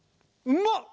うまっ！